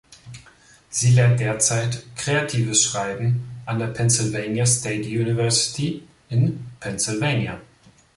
Sie lehrt derzeit kreatives Schreiben an der Pennsylvania State University in Pennsylvania.